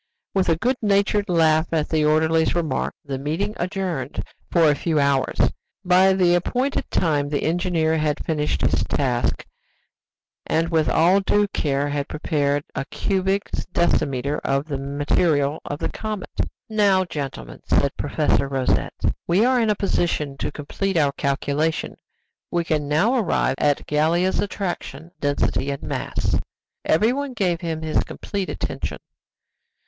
With a good natured laugh at the orderly's remark, the meeting adjourned for a few hours. By the appointed time the engineer had finished his task, and with all due care had prepared a cubic decimeter of the material of the comet. "Now, gentlemen," said Professor Rosette, "we are in a position to complete our calculation; we can now arrive at Gallia's attraction, density, and mass." Everyone gave him his complete attention.